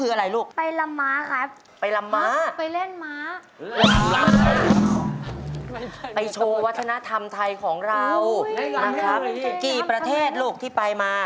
โอ้โฮใจกว่า